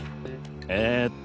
えっと